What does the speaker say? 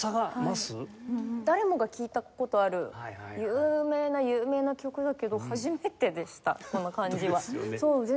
誰もが聴いた事ある有名な有名な曲だけど初めてでしたこの感じは。ですよね。